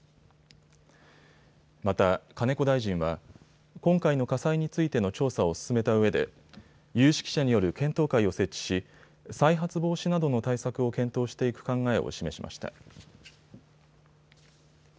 また、金子大臣は今回の火災についての調査を進めたうえで有識者による検討会を設置し、再発防止などの対策を検討していく考えを示しました。